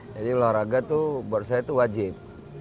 jadi olahraga itu buat saya itu wajib